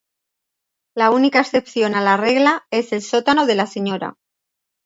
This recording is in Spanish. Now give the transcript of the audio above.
La única excepción a la regla es el sótano de la Sra.